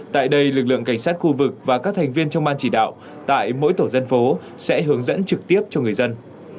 tại đây lực lượng cảnh sát khu vực và các thành viên trong ban chỉ đạo tại mỗi tổ dân phố sẽ hướng dẫn trực tiếp cho người dân